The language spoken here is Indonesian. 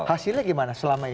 hasilnya gimana selama ini